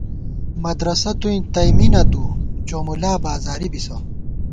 مدرَسہ توئیں تئ می نَتُؤ ، جو مُلا بازاری بِسہ